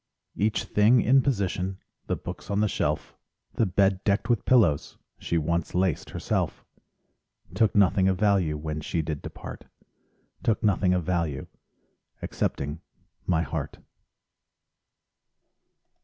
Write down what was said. Each thing in position: The books on the shelf, The bed decked with pillows She once laced herself. Took nothing of value, When she did depart, Took nothing of value— Excepting my heart.